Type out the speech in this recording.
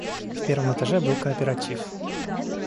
В первом этаже был кооператив.